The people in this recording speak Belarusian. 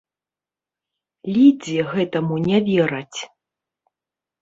Лідзе гэтаму не вераць.